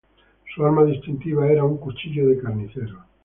Su arma distintiva era un cuchillo de carnicero.